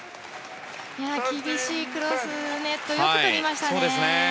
厳しいクロスネットをよく拾いましたね。